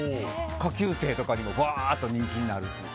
下級生とかにばーっと人気になるっていう。